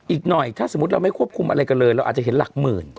อีกหน่อยถ้าสมมุติเราไม่ควบคุมอะไรกันเลยเราอาจจะเห็นหลักหมื่น